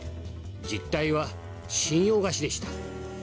実態は信用貸しでした。